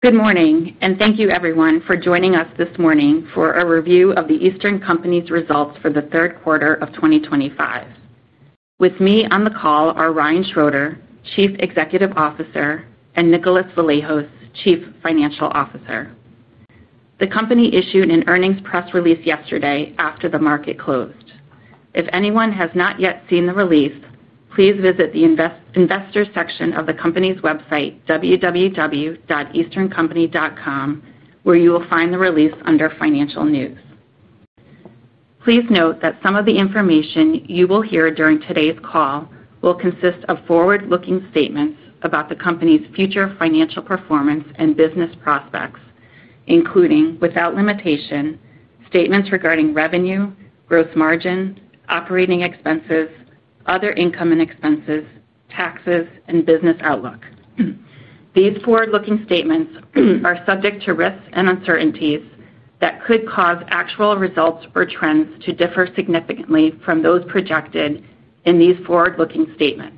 Good morning, and thank you everyone for joining us this morning for a review of The Eastern Company's results for the third quarter of 2025. With me on the call are Ryan Schroeder, Chief Executive Officer, and Nicholas Vlahos, Chief Financial Officer. The company issued an earnings press release yesterday after the market closed. If anyone has not yet seen the release, please visit the investor section of the company's website, www.easterncompany.com, where you will find the release under Financial News. Please note that some of the information you will hear during today's call will consist of forward-looking statements about the company's future financial performance and business prospects, including, without limitation, statements regarding revenue, gross margin, operating expenses, other income and expenses, taxes, and business outlook. These forward-looking statements are subject to risks and uncertainties that could cause actual results or trends to differ significantly from those projected in these forward-looking statements.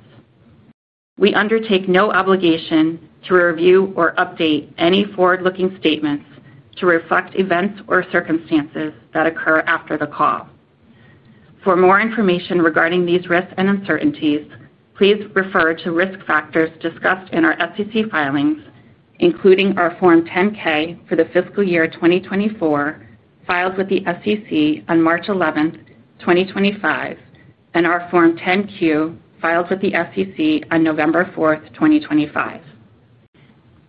We undertake no obligation to review or update any forward-looking statements to reflect events or circumstances that occur after the call. For more information regarding these risks and uncertainties, please refer to risk factors discussed in our SEC filings, including our Form 10-K for the fiscal year 2024 filed with the SEC on March 11, 2025, and our Form 10-Q filed with the SEC on November 4, 2025.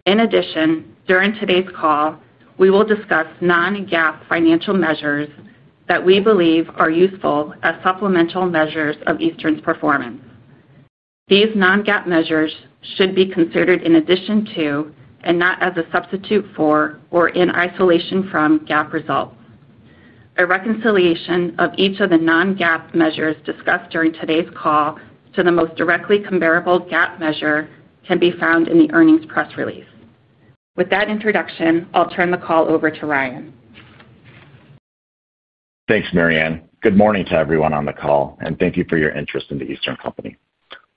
In addition, during today's call, we will discuss non-GAAP financial measures that we believe are useful as supplemental measures of Eastern's performance. These non-GAAP measures should be considered in addition to, and not as a substitute for, or in isolation from, GAAP results. A reconciliation of each of the non-GAAP measures discussed during today's call to the most directly comparable GAAP measure can be found in the earnings press release. With that introduction, I'll turn the call over to Ryan. Thanks, Marianne. Good morning to everyone on the call, and thank you for your interest in the Eastern Company.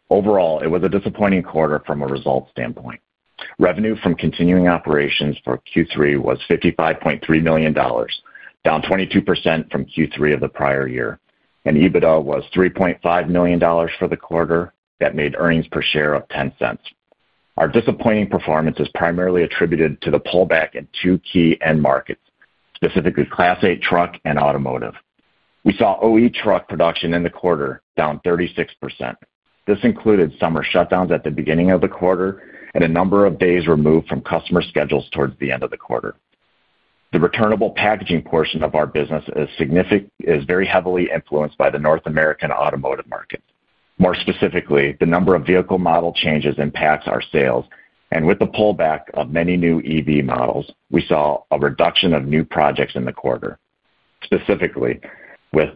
Overall, it was a disappointing quarter from a results standpoint. Revenue from continuing operations for Q3 was $55.3 million, down 22% from Q3 of the prior year, and EBITDA was $3.5 million for the quarter that made earnings per share up 10 cents. Our disappointing performance is primarily attributed to the pullback in two key end markets, specifically Class 8 truck and automotive. We saw OE truck production in the quarter down 36%. This included summer shutdowns at the beginning of the quarter and a number of days removed from customer schedules towards the end of the quarter. The returnable packaging portion of our business is very heavily influenced by the North American automotive market. More specifically, the number of vehicle model changes impacts our sales, and with the pullback of many new EV models, we saw a reduction of new projects in the quarter, specifically with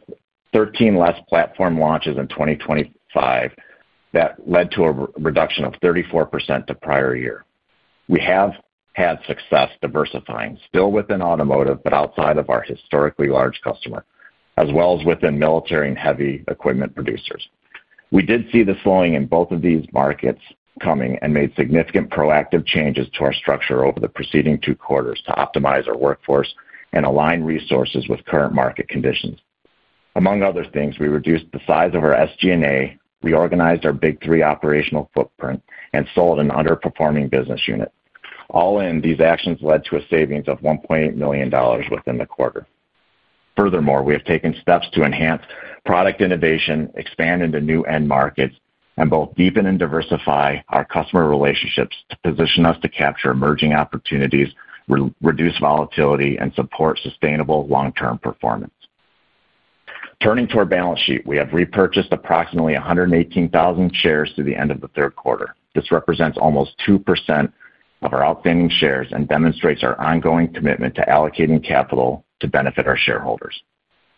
13 less platform launches in 2025 that led to a reduction of 34% to prior year. We have had success diversifying, still within automotive but outside of our historically large customer, as well as within military and heavy equipment producers. We did see the slowing in both of these markets coming and made significant proactive changes to our structure over the preceding two quarters to optimize our workforce and align resources with current market conditions. Among other things, we reduced the size of our SG&A, reorganized our Big Three operational footprint, and sold an underperforming business unit. All in, these actions led to a savings of $1.8 million within the quarter. Furthermore, we have taken steps to enhance product innovation, expand into new end markets, and both deepen and diversify our customer relationships to position us to capture emerging opportunities, reduce volatility, and support sustainable long-term performance. Turning to our balance sheet, we have repurchased approximately 118,000 shares to the end of the third quarter. This represents almost 2% of our outstanding shares and demonstrates our ongoing commitment to allocating capital to benefit our shareholders.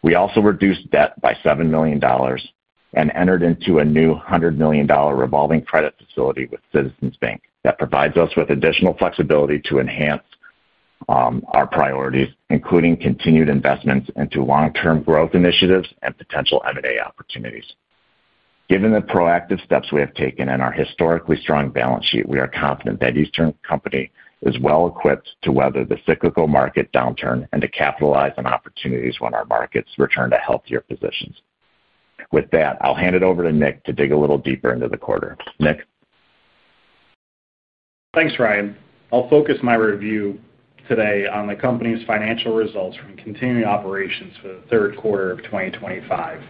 We also reduced debt by $7 million. We entered into a new $100 million revolving credit facility with Citizens Bank that provides us with additional flexibility to enhance our priorities, including continued investments into long-term growth initiatives and potential M&A opportunities. Given the proactive steps we have taken and our historically strong balance sheet, we are confident that Eastern Company is well equipped to weather the cyclical market downturn and to capitalize on opportunities when our markets return to healthier positions. With that, I'll hand it over to Nick to dig a little deeper into the quarter. Nick? Thanks, Ryan. I'll focus my review today on the company's financial results from continuing operations for the third quarter of 2025.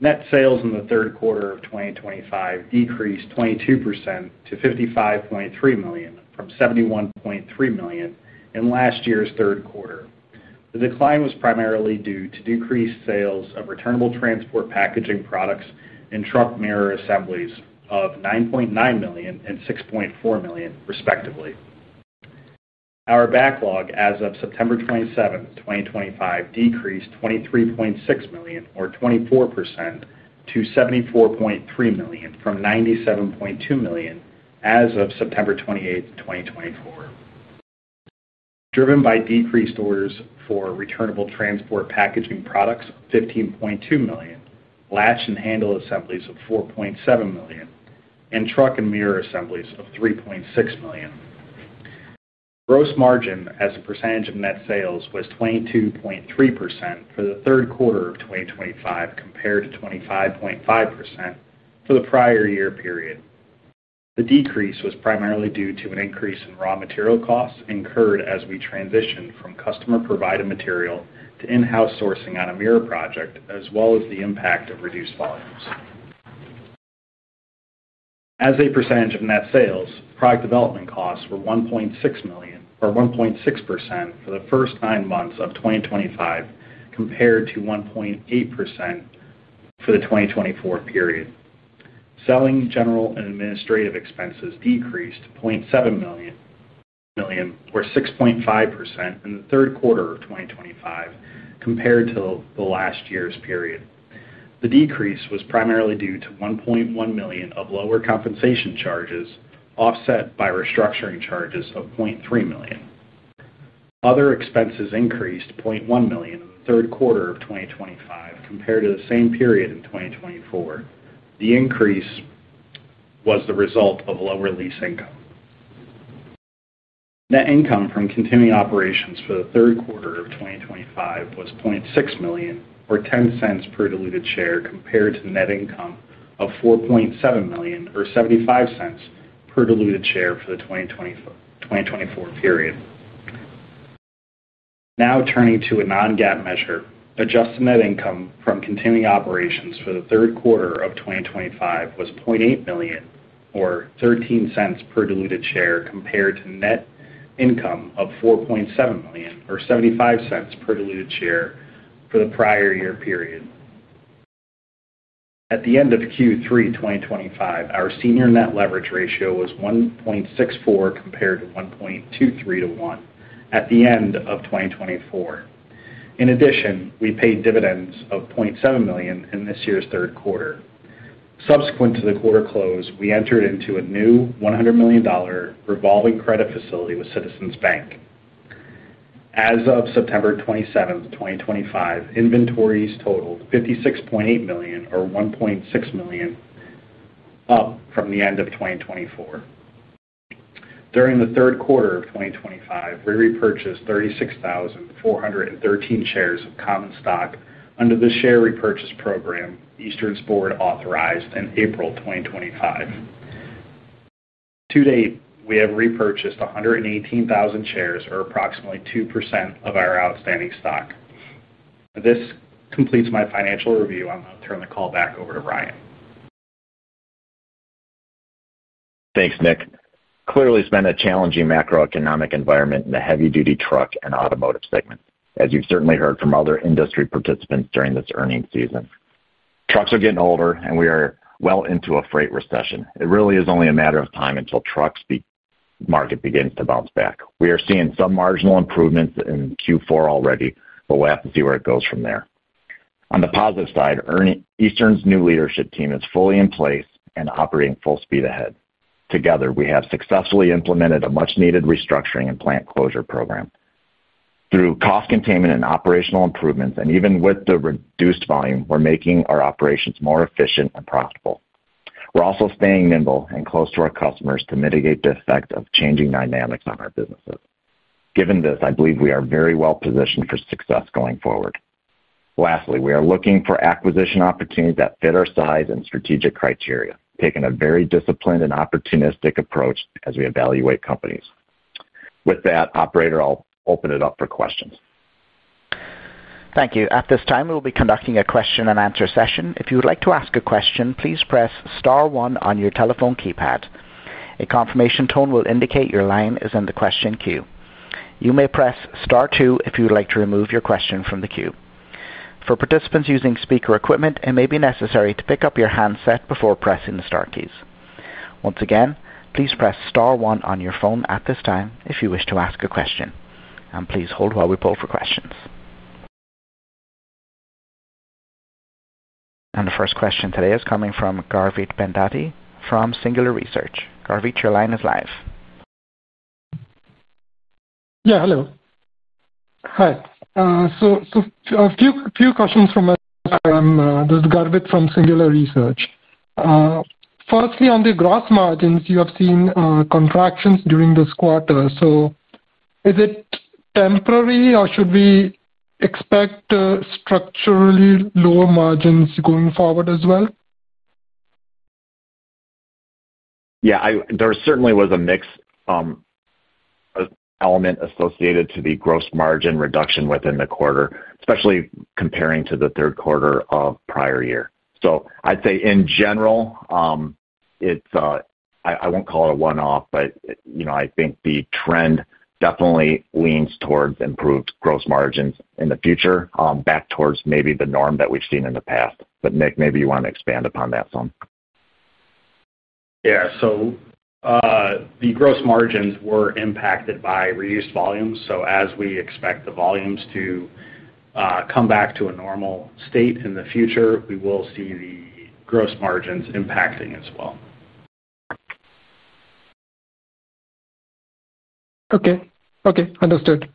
Net sales in the third quarter of 2025 decreased 22% to $55.3 million from $71.3 million in last year's third quarter. The decline was primarily due to decreased sales of returnable transport packaging products and truck mirror assemblies of $9.9 million and $6.4 million, respectively. Our backlog as of September 27, 2025, decreased $23.6 million, or 24%, to $74.3 million from $97.2 million as of September 28, 2024. Driven by decreased orders for returnable transport packaging products of $15.2 million, latch and handle assemblies of $4.7 million, and truck mirror assemblies of $3.6 million. Gross margin as a percentage of net sales was 22.3% for the third quarter of 2025 compared to 25.5% for the prior year period. The decrease was primarily due to an increase in raw material costs incurred as we transitioned from customer-provided material to in-house sourcing on a mirror project, as well as the impact of reduced volumes. As a percentage of net sales, product development costs were 1.6% for the first nine months of 2025 compared to 1.8% for the 2024 period. Selling, general and administrative expenses decreased $0.7 million, or 6.5%, in the third quarter of 2025 compared to last year's period. The decrease was primarily due to $1.1 million of lower compensation charges offset by restructuring charges of $0.3 million. Other expenses increased $0.1 million in the third quarter of 2025 compared to the same period in 2024. The increase was the result of lower lease income. Net income from continuing operations for the third quarter of 2025 was $0.6 million, or $0.10 per diluted share, compared to net income of $4.7 million, or $0.75 per diluted share for the 2024 period. Now turning to a non-GAAP measure, adjusted net income from continuing operations for the third quarter of 2025 was $0.8 million, or $0.13 per diluted share, compared to net income of $4.7 million, or $0.75 per diluted share for the prior year period. At the end of Q3 2025, our senior net leverage ratio was 1.64 compared to 1.23 to 1 at the end of 2024. In addition, we paid dividends of $0.7 million in this year's third quarter. Subsequent to the quarter close, we entered into a new $100 million revolving credit facility with Citizens Bank. As of September 27, 2025, inventories totaled $56.8 million, or $1.6 million. Up from the end of 2024. During the third quarter of 2025, we repurchased 36,413 shares of common stock under the share repurchase program Eastern Company authorized in April 2025. To date, we have repurchased 118,000 shares, or approximately 2% of our outstanding stock. This completes my financial review. I'll now turn the call back over to Ryan. Thanks, Nick. Clearly, it's been a challenging macroeconomic environment in the heavy-duty truck and automotive segment, as you've certainly heard from other industry participants during this earnings season. Trucks are getting older, and we are well into a freight recession. It really is only a matter of time until the truck market begins to bounce back. We are seeing some marginal improvements in Q4 already, but we'll have to see where it goes from there. On the positive side, Eastern's new leadership team is fully in place and operating full speed ahead. Together, we have successfully implemented a much-needed restructuring and plant closure program. Through cost containment and operational improvements, and even with the reduced volume, we're making our operations more efficient and profitable. We're also staying nimble and close to our customers to mitigate the effect of changing dynamics on our businesses. Given this, I believe we are very well positioned for success going forward. Lastly, we are looking for acquisition opportunities that fit our size and strategic criteria, taking a very disciplined and opportunistic approach as we evaluate companies. With that, Operator, I'll open it up for questions. Thank you. At this time, we will be conducting a question-and-answer session. If you would like to ask a question, please press Star one on your telephone keypad. A confirmation tone will indicate your line is in the question queue. You may press Star two if you would like to remove your question from the queue. For participants using speaker equipment, it may be necessary to pick up your handset before pressing the Star keys. Once again, please press Star one on your phone at this time if you wish to ask a question. Please hold while we pull for questions. The first question today is coming from Garveet Bhandati from Singular Research. Garveet, your line is live. Yeah, hello. Hi. So. A few questions from Garveet from Singular Research. Firstly, on the gross margins, you have seen contractions during this quarter. Is it temporary, or should we expect structurally lower margins going forward as well? Yeah, there certainly was a mix. Element associated to the gross margin reduction within the quarter, especially comparing to the third quarter of prior year. I would say, in general. I won't call it a one-off, but I think the trend definitely leans towards improved gross margins in the future, back towards maybe the norm that we've seen in the past. Nick, maybe you want to expand upon that some. Yeah. So. The gross margins were impacted by reduced volumes. So as we expect the volumes to come back to a normal state in the future, we will see the gross margins impacting as well. Okay. Okay. Understood.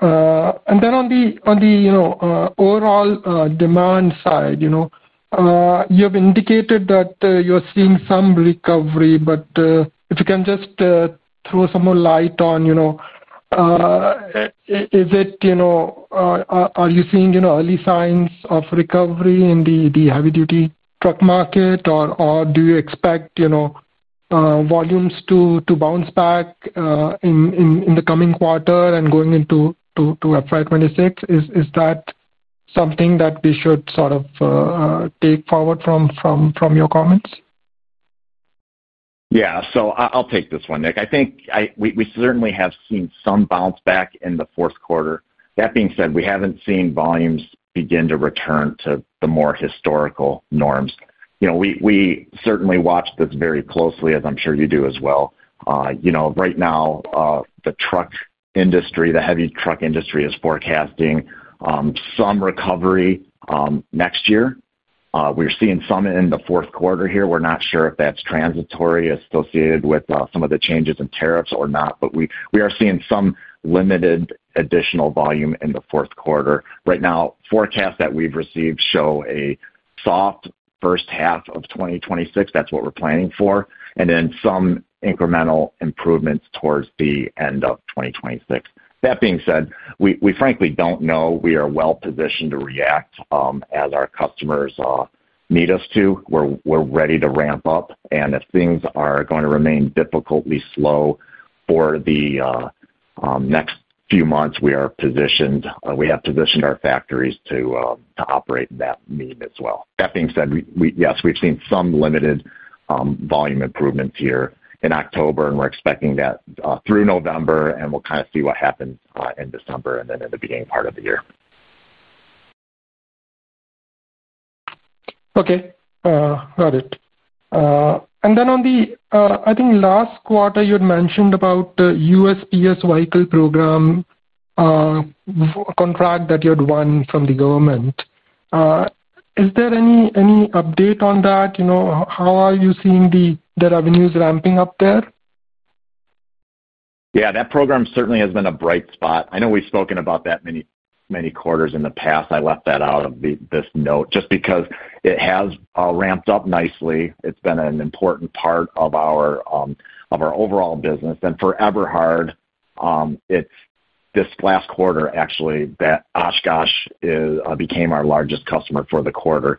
On the overall demand side, you have indicated that you are seeing some recovery, but if you can just throw some more light on, is it, are you seeing early signs of recovery in the heavy-duty truck market, or do you expect volumes to bounce back in the coming quarter and going into FY2026? Is that something that we should sort of take forward from your comments? Yeah. So I'll take this one, Nick. I think we certainly have seen some bounce back in the fourth quarter. That being said, we haven't seen volumes begin to return to the more historical norms. We certainly watch this very closely, as I'm sure you do as well. Right now, the truck industry, the heavy truck industry, is forecasting some recovery next year. We're seeing some in the fourth quarter here. We're not sure if that's transitory, associated with some of the changes in tariffs or not, but we are seeing some limited additional volume in the fourth quarter. Right now, forecasts that we've received show a soft first half of 2026. That's what we're planning for. And then some incremental improvements towards the end of 2026. That being said, we frankly don't know. We are well positioned to react as our customers need us to. We're ready to ramp up. If things are going to remain difficultly slow for the next few months, we have positioned our factories to operate that mean as well. That being said, yes, we've seen some limited volume improvements here in October, and we're expecting that through November, and we'll kind of see what happens in December and then in the beginning part of the year. Okay. Got it. Then on the, I think, last quarter, you had mentioned about the USPS vehicle program, contract that you had won from the government. Is there any update on that? How are you seeing the revenues ramping up there? Yeah. That program certainly has been a bright spot. I know we've spoken about that many quarters in the past. I left that out of this note just because it has ramped up nicely. It's been an important part of our overall business. And for Eberhard, this last quarter, actually, Oshkosh became our largest customer for the quarter,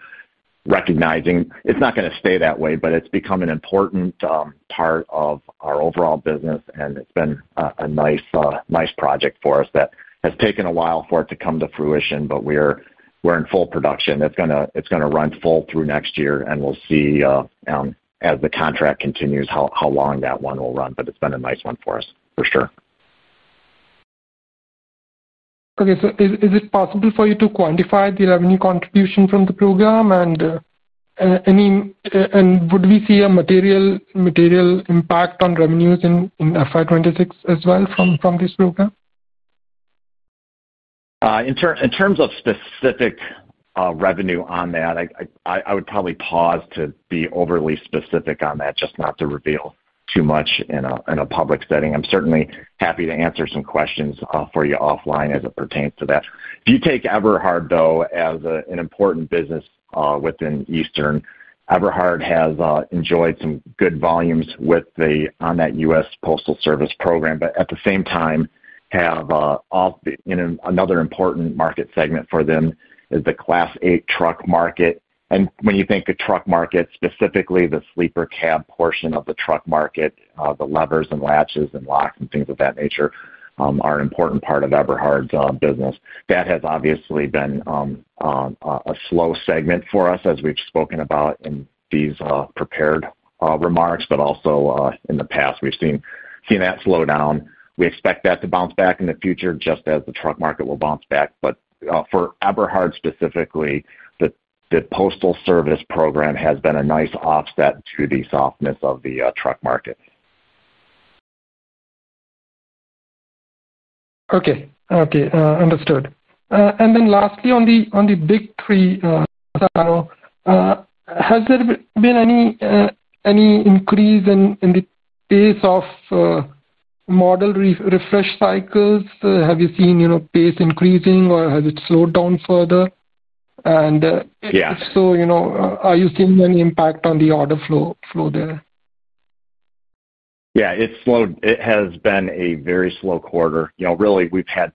recognizing it's not going to stay that way, but it's become an important part of our overall business, and it's been a nice project for us that has taken a while for it to come to fruition, but we're in full production. It's going to run full through next year, and we'll see. As the contract continues, how long that one will run. But it's been a nice one for us, for sure. Okay. Is it possible for you to quantify the revenue contribution from the program? Would we see a material impact on revenues in FY2026 as well from this program? In terms of specific revenue on that, I would probably pause to be overly specific on that, just not to reveal too much in a public setting. I'm certainly happy to answer some questions for you offline as it pertains to that. If you take Eberhard, though, as an important business within Eastern, Eberhard has enjoyed some good volumes on that US Postal Service program, but at the same time, another important market segment for them is the Class 8 truck market. When you think of truck market, specifically the sleeper cab portion of the truck market, the levers and latches and locks and things of that nature are an important part of Eberhard's business. That has obviously been a slow segment for us, as we've spoken about in these prepared remarks, but also in the past, we've seen that slow down. We expect that to bounce back in the future, just as the truck market will bounce back. For Eberhard specifically, the Postal Service program has been a nice offset to the softness of the truck market. Okay. Okay. Understood. Lastly, on the Big Three channel, has there been any increase in the pace of model refresh cycles? Have you seen pace increasing, or has it slowed down further? If so, are you seeing any impact on the order flow there? Yeah. It has been a very slow quarter. Really, we've had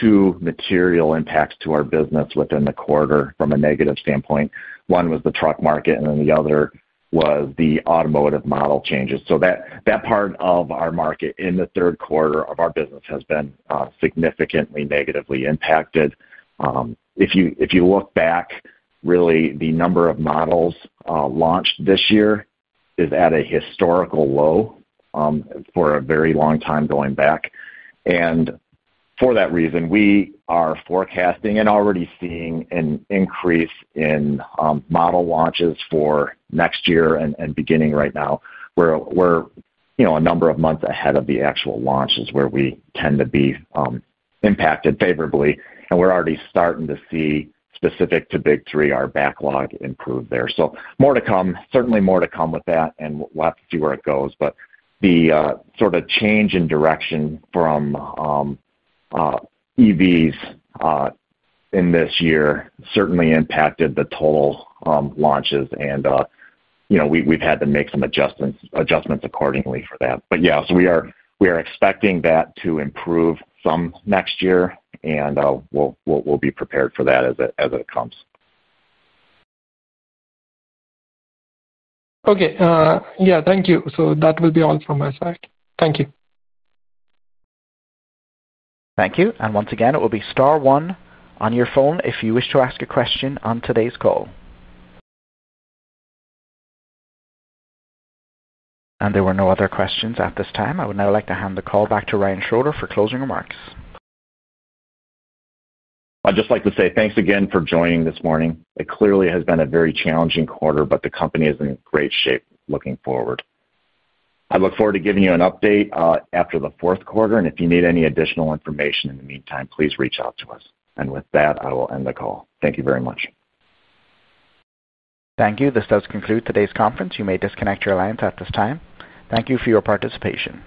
two material impacts to our business within the quarter from a negative standpoint. One was the truck market, and then the other was the automotive model changes. That part of our market in the third quarter of our business has been significantly negatively impacted. If you look back, really, the number of models launched this year is at a historical low for a very long time going back. For that reason, we are forecasting and already seeing an increase in model launches for next year and beginning right now. We're a number of months ahead of the actual launches where we tend to be impacted favorably. We're already starting to see, specific to Big Three, our backlog improve there. More to come, certainly more to come with that, and we'll have to see where it goes. The sort of change in direction from EVs in this year certainly impacted the total launches, and we've had to make some adjustments accordingly for that. But yeah, we are expecting that to improve some next year, and we'll be prepared for that as it comes. Okay. Yeah. Thank you. That will be all from my side. Thank you. Thank you. Once again, it will be Star one on your phone if you wish to ask a question on today's call. There were no other questions at this time. I would now like to hand the call back to Ryan Schroeder for closing remarks. I'd just like to say thanks again for joining this morning. It clearly has been a very challenging quarter, but the company is in great shape looking forward. I look forward to giving you an update after the fourth quarter. If you need any additional information in the meantime, please reach out to us. With that, I will end the call. Thank you very much. Thank you. This does conclude today's conference. You may disconnect your lines at this time. Thank you for your participation.